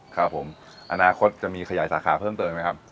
ครับผมอนาคตจะมีขยายสาขาเพิ่มเติมไหมครับ